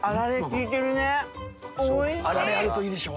あられあるといいでしょ？